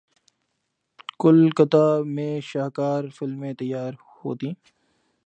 کلکتہ میں شاہکار فلمیں تیار ہوتیں۔